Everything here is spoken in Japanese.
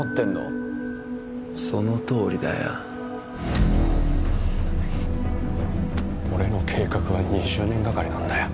そのとおりだよ。俺の計画は２０年がかりなんだよ。